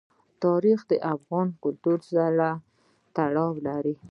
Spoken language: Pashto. تاریخ د افغان کلتور سره تړاو لري.